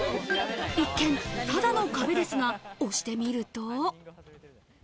一見ただの壁ですが押してみると。